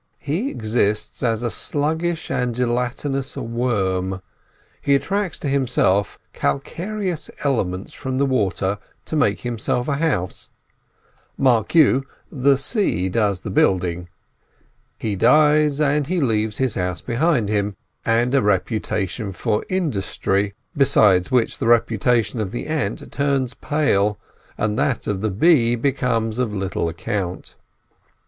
He exists as a sluggish and gelatinous worm; he attracts to himself calcareous elements from the water to make himself a house—mark you, the sea does the building—he dies, and he leaves his house behind him—and a reputation for industry, beside which the reputation of the ant turns pale, and that of the bee becomes of little account.